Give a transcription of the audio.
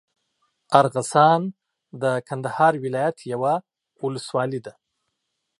ارغسان د کندهار ولايت یوه اولسوالي ده.